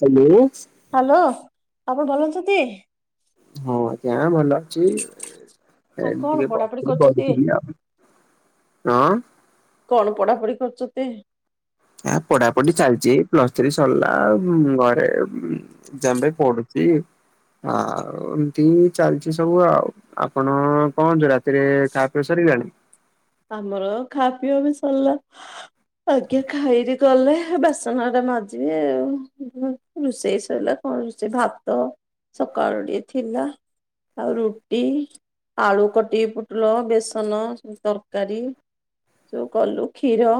Hello. Hello ଆପଣ ଭଲ ଅଛନ୍ତି? ହଁ ଆଜ୍ଞା ଭଲ ଅଛି ଆଉ କଣ ପଢାପଢି ଟିକେ କରୁଛନ୍ତି? [unintelligible] ଆଉ। ହଁ। କଣ୍ ପଢା ପଢି କରୁଚତି? ଏ ପଢା ପଢି ଚାଲିଛି ପ୍ଲସ ଥ୍ରୀ ସରିଲା ଆଉ ଘରେ ହିଁ। ଏକଜାମ୍ ପାଇ ପଡୁଛି ଆଉ ଏମିତି ଚାଲିଛି ସବୁ ଆଉ। ଆପଣଙ୍କ କଁ ହଉଚି ରାତିରେ ଖା ପିଅ ସାରିଲାଣି। ଆମର ଖା ପିଇ ଏବେ ସରିଲା। ଆଜ୍ଞା ଖାଇକିରି ଗଲେ ବାସନ ଘରିକା ମାଜିବି ଆଉ। ରୋଷେଇ ସରିଲା କଣ ରୋଷେଇ ଭାତ ସକାଳ ର ଟିକେ ଥିଲା। ଆଉ ରୁଟି ଆଳୁ କଟି ପୁଟୁଳ ବେସନ ସବୁ ତର କାରୀ ସବୁ କଲୁ କ୍ଷୀର।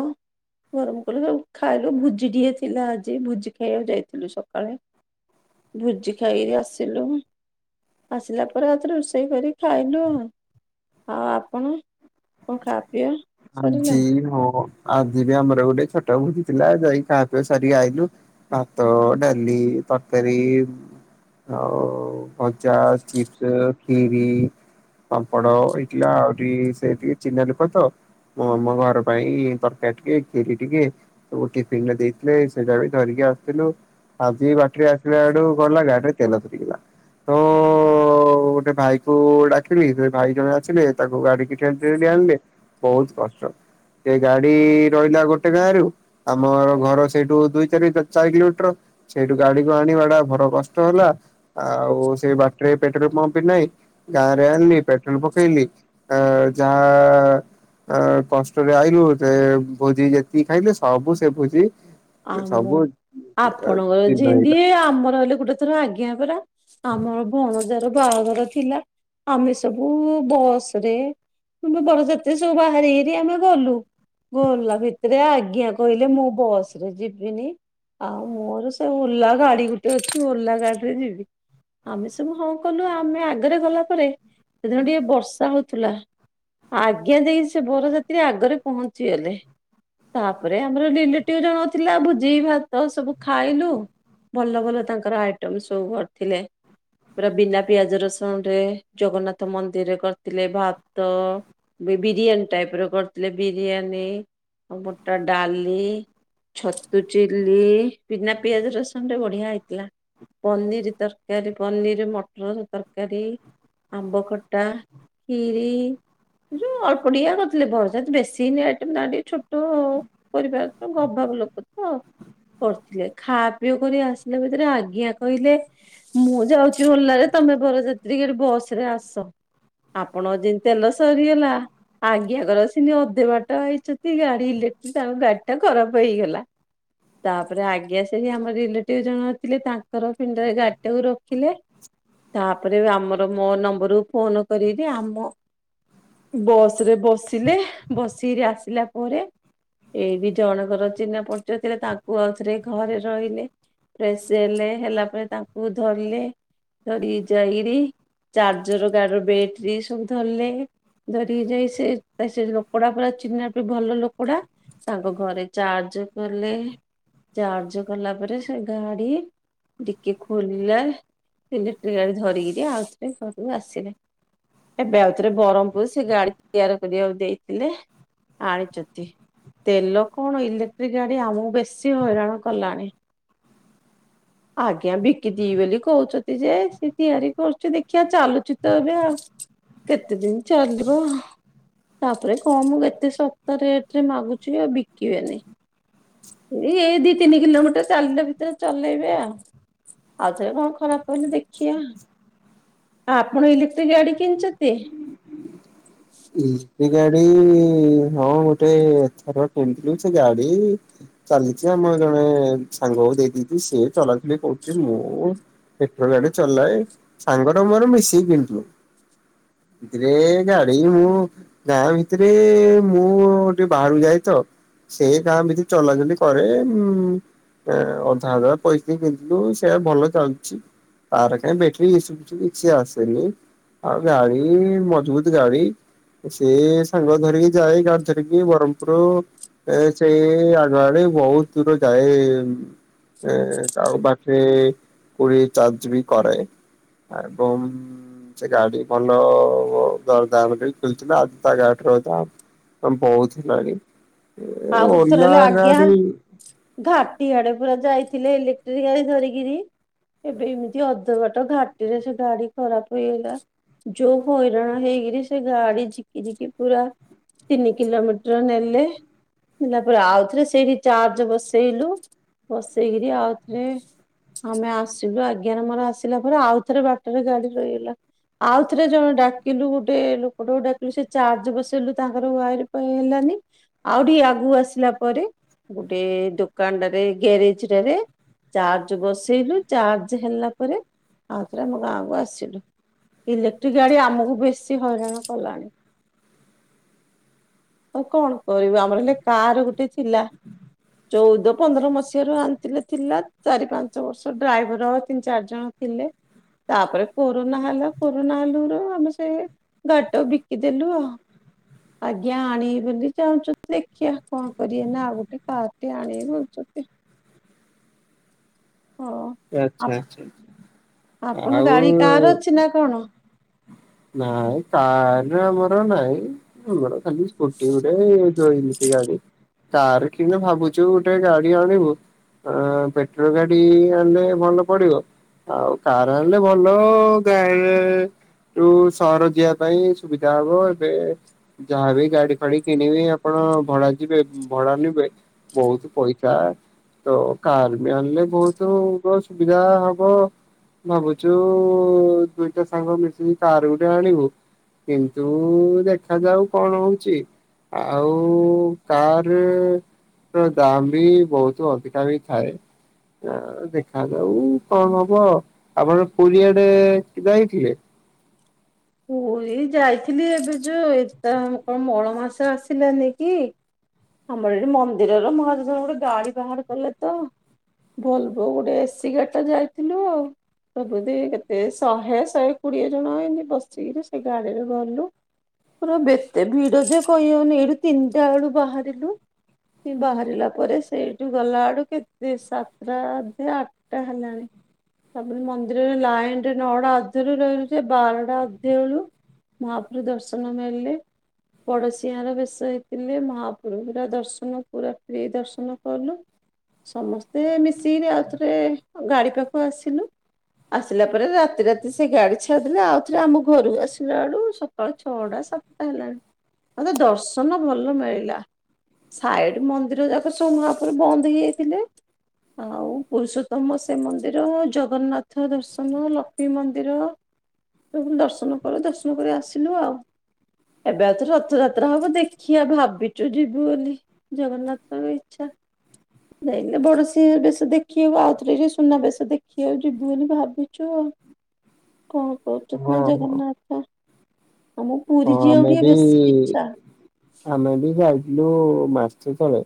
ଗରମ କଲୁ ସବୁ ଖାଇଲୁ ଭୂଜି ଟିକେ ଥିଲା ଆଜି ଭୁଜି ଖାଇବାକୁ ଯାଇଥିଲୁ ସକାଳେ। ଭୁଜି ଖାଇକରି ଆସିଲୁ। ଆସିଲା ପରେ ଆଉଥରେ ରୋଷେଇ କରି ଖାଇଲୁ ଆଉ ଆପଣ। କଣ ଖା ପିଆ ଆଜି ସରିଲାଣି? ମୋ ଆଜି ବି ଆମର ଗୋଟେ ଛୋଟ ଭୁଜି ଥିଲା ଯାଇକି ଖା ପିଆ ସାରିକି ଆଇଲୁ। ଭାତ, ଡାଲି, ତରକାରି, ଆଉ ଭ ଚାହା, ଚିପ୍ସ, ଖିରି, ପାମ୍ପଡ ହେଇଥିଲା ଆହୁରି ସେଠି ଚିହ୍ନା ଲୋକ ତ ମ ମୋ ଘର ପାଇଁ ତରକାରୀ ଟିକେ କ୍ଷିରି ଟିକେ ସବୁ ଟିଫିନରେ ଦେଇଥିଲେ ସେଇଟା ବି ଧରିକି ଆସିଥିଲୁ। ଆଜି ବାଟରେ ଆସିଲା ଆଡୁ ଗଲା ଗାଡିରୁ ତେଲ ସରିଗଲା ତ ଗୋଟେ ଭାଇ କୁ ଡାକିଲି ସେ ଭାଇ ଜଣେ ଆସିଲେ ତାକୁ ଗାଡିକି ଠେ ଆଣିଲେ ବହୁତ କଷ୍ଟ ସେ ଗାଡି ରହିଲା ଗୋଟେ ଗାଁ ରୁ। ଆମର ଘର ସେଇଠୁ ଦୁଇ ଚାରି ଚାରି କିଲୋମିଟର। ସେଇଠୁ ଗାଡିକୁ ଆଣିବା ଟା ଭାରି କଷ୍ଟ ହେଲା ଆଉ ସେଇ ବାଟରେ ପେଟ୍ରୋଲ ପମ୍ପ ବି ନାହିଁ। ଗାଁରେ ଆଣିଲି ପେଟ୍ରୋଲ ପକେଇଲି ଅ ଯା ଆ କଷ୍ଟରେ ଆଇଲୁ ସେ ଭୋଜି ଯେତିକି ଖାଇଲେ ସବୁ ସେ ଭୋଜି ଆମ ସବୁ ଆପଣଙ୍କର ଚିହ୍ନ ହେଇଗଲା ଯେମିତି ଆମର ହେଲେ ଗୋଟେ ର ଆଜ୍ଞା ପରା ଆମର ଭଣଜାର ବାହାଘର ଥିଲା। ଆମେ ସବୁ ବସ ରେ ତୁମେ ବର ଯାତ୍ରୀ ସହ ବାହାରି କିରି ଆମେ ଗଲୁ। ଗଲା ଭିତରେ ଆଜ୍ଞା କହିଲେ ମୁଁ ବସ୍ ରେ ଯିବିନି ଆଉ ମୋର ସେ ଓଲା ଗାଡି ଗୋଟେ ଅଛି ଓଲା ଗାଡିରେ ଯିବି। ଆମେ ସବୁ ହଁ କଲୁ ଆମେ ଆଗରେ ଗଲା ପରେ ସେଦିନ ଟିକେ ବର୍ଷା ହଉଥିଲା। ଆଗେ ଯାଇକି ସେ ବରଯାତ୍ରୀ ଆଗରେ ପହଞ୍ଚିଗଲେ। ତାପରେ ଆମର ରିଲେଟିଭ ଜଣଙ୍କର ଥିଲା ଭୋଜି ଭାତ ସବୁ ଖାଇଲୁ। ଭଲ ଭଲ ତାଙ୍କର ଆଇଟମ ସବୁ କରିଥିଲେ। ପୁରା ବିନା ପିଆଜ ରସୁଣ ରେ ଜଗନ୍ନାଥ ମନ୍ଦିରରେ କରିଥିଲେ ଭାତ, ବିରିୟାନୀ ଟାଇପ ର କରିଥିଲେ ବିରିୟାନୀ ମୋଟା ଡାଲି, ଛତୁ ଚିଲ୍ଲୀ ବିନା ପିଆଜ ରସନ ରେ ବଢିଆ ହେଇଥିଲା। ପନିର ତରକାରୀ ପନିର ମଟର ତରକାରୀ। ଆମ୍ବ ଖଟା, ଖିରି, ଯୋଉ ଅଳ୍ପଟିକିଏ କରିଥିଲେ ବରଯାତ୍ରୀ ବେଶୀ ନାଇଁ ଆଇଟମ୍ ଟିକେ ଛୋଟ ପରିବାର ତ ଗଭାବ ଲୋକ ତ। କରିଥିଲେ ଖା ପିଇ କରି ଆସିଲା ଭିତରେ ଆଜ୍ଞା କହିଲେ। ମୁଁ ଯାଉଛି ଉଲାରେ ତମେ ବରଯାତ୍ରୀଗାଡ଼ି ବସ ରେ ଆସ। ଆପଣ ଯେମିତି ତେଲ ସରିଗଲା ଆଜ୍ଞା କର ସନି ଅଧେ ବାଟ ଆଇଛନ୍ତି ଗାଡି ଇଲେକ୍ଟ୍ରିକ ତାଙ୍କ ଗାଡି ଟା ଖରାପ ହେଇଗଲା। ତାପରେ ଆଜ୍ଞାସେନି ଆମର ରିଲେଟିଭ ଜଣ ଥିଲେ ତାଙ୍କର ପିଣ୍ଡରେ ଗାଡିଟାକୁ ରଖିଲେ। ତାପରେ ଆମର ମୋ ନମ୍ବରରୁ ଫୋନ କରିକିରି ଆମ ବସରେ ବସିଲେ ବସିକିରି ଆସିଲା ପରେ ଏଇ ଟି ଜଣଙ୍କର ଚିହ୍ନା ପରିଚୟ ଥିଲେ ତାଙ୍କୁ ଆଉଥରେ ଘରେ ରହିଲେ। ଫ୍ରେଶ ହେଲେ ହେଲା ପରେ ତାଙ୍କୁ ଧରିଲେ ଧରିକି ଯାଇକିରି ଚାର୍ଜର କାହାର ବ୍ୟାଟେରୀ ସବୁ ଧରିଲେ। ଧରିକିରି ଯାଇ ସେ ସେ ଲୋକଟା ପୁରା ଚିହ୍ନା ବି ଭଲ ଲୋକଟା। ତାଙ୍କ ଘରେ ଚାର୍ଜ କଲେ ଚାର୍ଜ କଲା ପରେ ସେ ଗାଡି ଟିକେ ଖୋଲିଲା ହେଲେ ଇଲେଟ୍ରି ଗାଡି ଧରିକିରି ଆଉଥରେ ଆସିଲେ। ଏବେ ଆଉଥରେ ବ୍ରହ୍ମପୁର ସେ ଗାଡି ତିଆରି କରିବାକୁ ଦେଇଥିଲେ। ଆଣିଛନ୍ତି ତେଲ କଣ ଇଲେ ଗାଡି ଆମକୁ ବେଶୀ ହଇରାଣ କଲାଣି। [inaudible] ଆଜ୍ଞା ବିକିଦିବେ ବୋଲି କହୁଛନ୍ତି ଯେ ସେ ତିଆରି କରୁଛି ଦେଖିବା ଚାଲୁଛି ତ ଏବେ ଆଉ। କେତେ ଦିନ ଚାଲିବ? ତାପରେ କମ୍ ଏତେ ସସ୍ତା ରେଟ ରେ ମାଗୁଛି ଆଉ ବିକିବେନି? ଏଇ ଏ ଦି ତିନି କିଲୋମିଟର ଚାଲିଲା ଭିତରେ ଚଲେଇବେ ଆଉ। ଆଉଥରେ କଣ ଖରାପ ପଇଲେ ଦେଖିଆ। ଆପଣ ଇଲେକ୍ଟ୍ରିକ ଗାଡି କିଣିଛନ୍ତି। ଇଲେଟ୍ରୀ ଗାଡି ହଁ ଗୋଟେଥର କିଣିଥିଲୁ ସେ ଗାଡି। ଚାଲିଛି ଆମ ଜଣେ ସାଙ୍ଗ ଦେଇ ଦେଇଛି। ସିଏ ଚଲାଚଲି କରୁଛି। ମୁଁ ପେଟ୍ରୋଲ ଗାଡି ଚଲାଏ। ସାଙ୍ଗର ମୋର ମିଶିକି କିଣିଥିଲୁ। ଗ୍ରେ ଗା ମୁଁ ଗାଁ ଭିତରେ ମୁଁ ଟିକେ ବାହାରକୁ ଯାଏ ତ। ସେଇ ଗାଁରେ ବି ଚଲାଚଲି କରେ। ଉଁ ଏ ଅଧା ଅଧା ପଇସି କିଥିଲୁ। ସେଇଟା ଭଲ ଚାଲୁଛି। ତାର କାଇଁ ବେଟ୍ରି ଇଶୁ କିଛି ଆସେନି। ଆଉ ଗାଡି ମଜବୁତ ଗାଡି ସିଏ ସାଙ୍ଗ ଧରିକି ଯାଏ ଗାଡି ଧରିକି ବରମପୁର। ସେଇ ଆଗଆଡେ ବହୁତ ଦୂର ଯାଏ। ହେ ତ ଆଉ ବାକି କୋଡିଏ ଚାର୍ଜ ବି କରେ। ଏବଂ ସେ ଗାଡି ଭଲ [unintelligible] ବହୁତ ହେଲାଣି। ଆଉ ଗୋଟେ ଥର ହେଲେ ଆଜ୍ଞା ଓନାରାରି। ଘାଟି ଆଡେ ପୁରା ଯାଇଥିଲେ ଇଲେକ୍ଟ୍ରିକ ଗାଡି ଧରିକିରି। ଏବେ ଏମିତି ଅଧ ବାଟ ଘାଟିରେ ସେ ଗାଡି ଖରାପ ହେଇଗଲା। ଯୋଉ ହଇରାଣ ହେଇକିରି ସେ ଗାଡି ଝିକି ଝିକି ପୁରା ତିନି କିଲୋମିଟର ନେଲେ। ହେଲା ପରେ ଆଉ ଥରେ ସେଇଠି ଚାର୍ଜ ବସେଇଲୁ। ବସେଇକିରି ଆଉଥରେ ଆମେ ଆସିଲୁ ଆଜ୍ଞାରେ ମୋର ଆସିଲା ପରେ ଆଉଥରେ ବାଟରେ ଗାଡି ରହିଗଲା। ଆଉ ଥରେ ଜଣେ ଡାକିଲୁ ଗୋଟେ ଲୋକଟାକୁ ଡାକିଲୁ ସେ ଚାର୍ଜ ବସେଇଲୁ ତାଙ୍କର ୱାଇରୀ ଫାଇରେ ହେଲାନି। ଆଉ ଟିକେ ଆଗୁ ଆସିଲା ପରେ ଗୋଟେ ଦୋକାନଟାରେ ଗ୍ୟାରେଜଟାରେ ଚାର୍ଜ ବସେଇଲୁ ଚାର୍ଜ ହେଲା ପରେ ଆଉଥରେ ଆମ ଗାଁକୁ ଆସିଲୁ। ଇଲେକ୍ଟ୍ରି ଗାଡି ଆମକୁ ବେଶି ହଇରାଣ କଲାଣି। [inaudible] ଆଉ କଣ କରିବୁ ଆମର ହେଲେ କାର ଗୋଟେ ଥିଲା। ଚୋଉଦ ପନ୍ଦର ମସିହାରୁ ଆଣିଥିଲେ ଥିଲା। ଚାରି ପାଞ୍ଚ ବର୍ଷ ଡ୍ରାଇଭର ତିନି ଚାରି ଜଣ ଥିଲେ ତାପରେ କୋରୋନା ହେଲା। କୋରୋନା ହେଲୁରେ ଆମେ ସେ ଗାଡିଟାକୁ ବିକି ଦେଲୁ ଆଉ। ଆଜ୍ଞା ଆଣିବି ବୋଲି ଚାହୁଁଛନ୍ତି ଦେଖିବା କଣ କରିବେ। ନା ଆଉ ଗୋଟେ କାର୍ ଟି ଆଣିବେ କଉଛନ୍ତି। ହଁ। ଆପ ଆଚ୍ଛା ଆଚ୍ଛା। ଆପଣ ଆଉ ଗାଡି କାର ଅଛି ନା କଣ? ନାଇଁ କାର୍ ରେ ଆମର ନାଇଁ। ଆମର ଖାଲି ସ୍କୁଟି ଗୋଟେ ଯୋଉ ଇଲେକ୍ଟ୍ରି ଗାଡି। ତାର କିନ୍ତୁ ଭାବୁଛୁ ଗୋଟେ ଗାଡି ଆଣିବୁ। ଏଁ ପେଟ୍ରୋଲ ଗାଡି ଆଣିଲେ ଭଲ ପଡିବ। ଆଉ କାର ଆଣିଲେ ଭଲ ଗାଁରେ। ଏଠୁ ସହର ଯିବା ପାଇଁ ସୁବିଧା ହବ ଏବେ। ଯାହାବି ଗାଡି ଖାଡି କିଣିବି ଆପଣ ଭଡା ଯିବେ ଭଡା ନେବେ। ବହୁତ ପଇସା। ତ କାର ବି ଆଣିଲେ ବହୁତ ସୁବିଧା ହବ। ଭାବୁଛୁ ଦୁଇଟା ସାଙ୍ଗ ମିଶିକି କାର ଗୋଟେ ଆଣିବୁ। କିନ୍ତୁ ଦେଖାଯାଉ କଣ ହଉଛି? ଆଉ କାର୍ ରେ ଦାମ୍ ବି ବହୁତ ଅଧିକା ବି ଥାଏ। ଦେଖାଯାଉ କଣ ହବ? ଆପଣ ପୁରୀଆଡେ ଯାଇଥିଲେ। ପୁରୀ ଯାଇଥିଲି ଏବେ ଯୋଉ ଏ ତା କଣ ମଳ ମାସ ଆସିଲାନି କି? ଆମର ଏଠି ମନ୍ଦିରର ମହାଜଜ ଗୋଟେ ଗାଡି ବାହାର କଲେ ତ। ଭଲବୋ ଗୋଟେ ଏସି ଗାଡିଟା ଯାଇଥିଲୁ ଆଉ। ସବୁଦ କେତେ ଶହେ ଶହେ କୋଡିଏ ଜଣ ଏମତି ବସିକିରି ସେ ଗାଡିରେ ଗଲୁ। ପୁରା ଏତେ ଭିଡ ଯେ କହିହଉନି ଏଇଠୁ ତିନିଟା ବେଳୁ ବାହାରିଲୁ। ବାହାରିଲା ପରେ ସେଇଠୁ ଗଲା ଆଡୁ କେତେ ସାତଟା ଅଧେ ଆଠ ଟା ହେଲାଣି ତାପ ମନ୍ଦିରରେ ଲାଇନରେ ନଟା ଅଧେ ରୁ ରହିଲୁ ଯେ ବାରଟା ତଳୁ ମହାପ୍ରଭୁ ଦର୍ଶନ ମିଳିଲେ। ପଡ଼ଶିଆର ବେଶରେ ଥିଲେ ମହାପ୍ରଭୁୁର ଦର୍ଶନ ପୁରା ଫ୍ରି ଦର୍ଶନ କଲୁ। ସମସ୍ତେ ମିଶିକିରି ଆଉଥରେ ଗାଡି ପାଖକୁ ଆସିଲୁ। ଆସିଲା ପରେ ରାତି ରାତି ସେ ଗାଡି ଛାଡିଲା ଆଉ ଥରେ ଆମେ ଘରୁ ଆସିଲାଆଳୁ ସକାଳ ଛଅଟା ସାତଟା ହେଲାଣି। ମତେ ଦର୍ଶନ ଭଲ ମିଳିଲା। ସାଇଡ ମନ୍ଦିର ଯାକ ସବୁ [unintelligible] ବନ୍ଦ ହେଇଯାଇଥିଲେ। ଆଉ ପୁରୁଷୋତ୍ତମ ଶ୍ରୀ ମନ୍ଦିର ଜଗନ୍ନାଥ ଦର୍ଶନ ଲକ୍ଷ୍ମୀ ମନ୍ଦିର ତ ଦର୍ଶନ କରି ଦର୍ଶନ କରି ଆସିଲୁ ଆଉ। ଏବେ ଆଉ ଥରେ ରଥଯାତ୍ରା ହବ ଦେଖିଆ ଭାବିଛୁ ଯିବୁ ବୋଲି। ଜଗନ୍ନାଥଙ୍କ ଇଚ୍ଛା। ନହେଲେ ବଡୋଶି ବେଶ ଦେଖିବାକୁ ଆଉଥରେ ଯୋଉ ସୁନା ବେଶ ଦେଖିବା ଆକୁ ଯିବୁ ବୋଲି ଭାବୁ ଯୁ କଣ କରୁଚୁ ହଁ ଜୟ ହଁ ହଁ ଜଗନ୍ନାଥ ଆମ ପୁରୀ ଯିବାକୁ ଆମେ ଟିକେ ବି ବେଶୀ ଇଚ୍ଛା। ଆମେ ବି ଯାଇଥିଲୁ ମାସେ ତଳେ।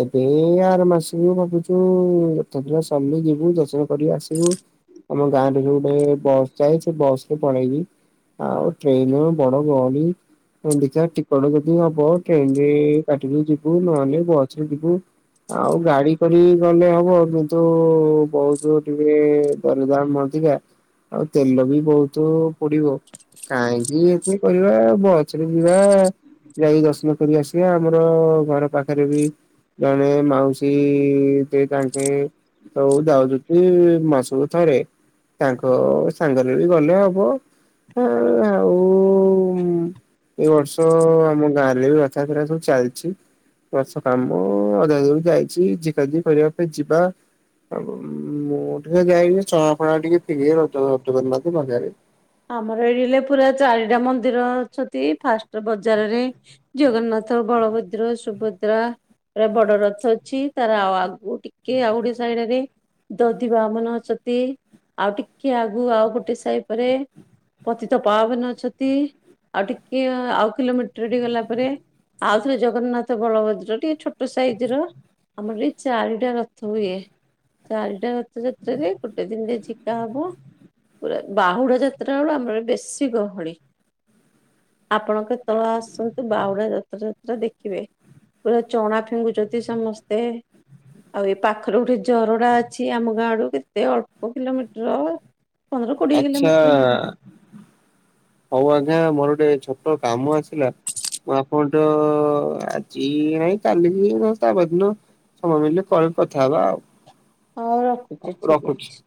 ଏବେ ଆର ମାସକୁ ଭାବୁଛୁ ଏଥ ଦିନ ସରିଲେ ଯିବୁ, ଦର୍ଶନ କରିକି ଆସିବୁ। ଆମ ଗାଁରେ ଯୋଉ ଗୋଟେ ବସ୍ ଯାଉଛି ସେ ବସ ପଳେଇବି। ଆଉ ଟ୍ରେନ୍ ରେ ବଡ [unintelligible] ଗୁଣ୍ଡିଚା ଟିକଟ ଯଦି ହବ ଟ୍ରେନରେ କାଟିକି ଯିବୁ, ନହେଲେ ବସରେ ଯିବୁ। ଆଉ ଗାଡି କରିି ଗଲେ ହବ କିନ୍ତୁ ବହୁତ ଟିକେ ଦର ଦାମ ଅଧିକା, ଆଉ ତେଲ ବି ବହୁତୁ ପଡିବ କାହିଁକି? କରିବା ବସ୍ ରେ ଯିବା। ଯାଇ ଦର୍ଶନ କରି ଆସିବା ଆମର ଘର ପାଖରେ ବି ଜଣେ ମାଉସୀ ଦେ ତାଙ୍କେ ହଉ ଯାଉଛି କି ମାସକୁ ଥରେ। ତାଙ୍କ ସାଙ୍ଗରେ ବି ଗଲେ ହବ ଆ ଆଉ ଏ ବର୍ଷ ଆମ ଗାଁରେ ବି ରଥାଯାତ୍ରା ସବୁ ଚାଲିଛି। ଗଛ କାମ ଅଧା ଅଧି ଯାଇଛି ଯିବା କରିବା ପାଇଁ ଯିବା। ଆଉ ମୁଁ ଟିକେ ଯାଇଛିି ଚା ଫା ଟିକେ ପିଏ [unintelligible] ମଜାରେ ଆମର ଏଇଲେ ପୁରା ଚାରିଟା ମନ୍ଦିର ଅଛନ୍ତି ଫାଷ୍ଟ ବଜାରରେ ଜଗନ୍ନାଥ ବଳଭଦ୍ର ସୁଭଦ୍ରା। ପୁରା ବଡ ରଥ ଅଛି ତାର ଆଉ ଆଗ ଟିକେ ଆଉ ଗୋଟେ ସାଇଡରେ ଦଧିବାମନ ଅଛନ୍ତି ଆଉ ଟିକେ ଆଗୁ ଆଉ ଗୋଟେ ସାଇଡରେ ପତିତ ପାବନ ଅଛନ୍ତି ଆଉ ଟିକେ ଆଉ କିଲୋମିଟର ଟେ ଗଲା ପରେ ଆଉ ଥିରେ ଜଗନ୍ନାଥ ବଳଭଦ୍ର ଟିକେ ଛୋଟ ସାଇଜ ର ଆମର ଚାରିଟା ରଥ ହୁଏ। ଚାରିଟା ରଥ ଯାତ୍ରାରେ ଗୋଟେ ଦିନରେ ଝିକା ହବ ପୁରା ବାହୁଡା ଯା ଯାତ୍ରାରେ ଆମର ବେଶୀ ଗହଳି। ଆପଣ କେତେବେଳେ ଆସନ୍ତୁ ବାହୁଡା ଯାତ୍ରା ଦେଖିବେ? ପୁରା ଚଣା ଫିଙ୍ଗୁଛନ୍ତି ସମସ୍ତେ। ଆଉ ଏ ପାଖରେ ଗୋଟେ ଝରଣା ଅଛି ଆମ ଗାଁଡୁ କେତେ ଅଳ୍ପ କିଲୋମିଟର ପନ୍ଦର କୋଡ଼ିଏ କିଲୋମି [unintelligible] ହଉ ଆଜ୍ଞା ମୋର ଗୋଟେ ଛୋଟ କାମ ଆସିଲା। ମୁଁ ଆପଣ ତ ଆଜି ନାଇଁ କାଲି କି ନ ହେଲେ ତା ପର ଦିନ। ସମୟ ହେଲେ ପରେ କଥା ହେବା ଆଉ। ହଉ ରଖୁଛି ଠିକ ରଖୁଛି। ଅଛି।